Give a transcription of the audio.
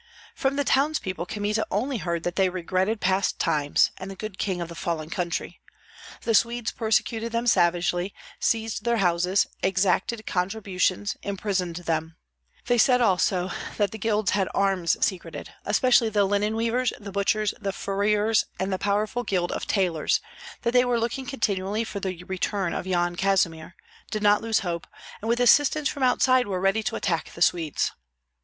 From the townspeople Kmita only heard that they regretted past times, and the good king of the fallen country. The Swedes persecuted them savagely, seized their houses, exacted contributions, imprisoned them. They said also that the guilds had arms secreted, especially the linen weavers, the butchers, the furriers, and the powerful guild of tailors; that they were looking continually for the return of Yan Kazimir, did not lose hope, and with assistance from outside were ready to attack the Swedes.